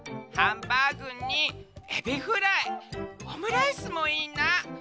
「ハンバーグにエビフライオムライスもいいな。